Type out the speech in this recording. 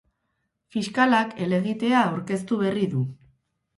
Fiskalak helegitea aurkeztu berri du.